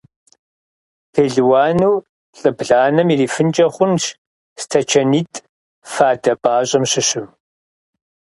Пелуану лӀы бланэм ирифынкӀэ хъунщ стачанитӀ фадэ пӀащӀэм щыщу.